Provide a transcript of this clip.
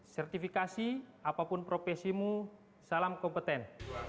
sertifikasi apapun profesimu salam kompeten